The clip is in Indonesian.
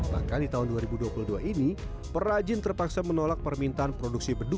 bahkan di tahun dua ribu dua puluh dua ini perajin terpaksa menolak permintaan produksi beduk